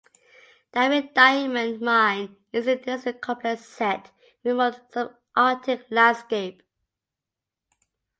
Diavik Diamond Mine is an industrial complex set in a remote, sub-Arctic landscape.